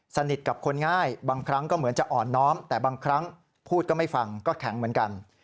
สนิทกับคนง่ายบางครั้งก็เหมือนจะอ่อนน้อมแต่บางครั้งพูดก็ไม่ฟังก็แข็งเหมือนกัน